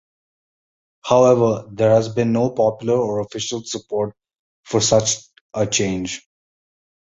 However, there has been no popular or official support for such a change.